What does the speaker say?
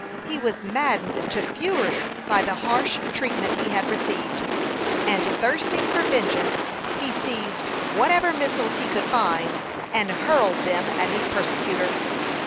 He was maddened to fury by the harsh treatment he had received; and thirsting for vengeance, he seized whatever missiles he could find, and hurled them at his persecutor.